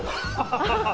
ハハハ！